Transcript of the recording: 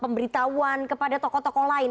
pemberitahuan kepada tokoh tokoh lain